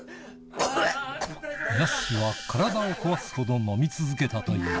やすしは体を壊すほど飲み続けたという。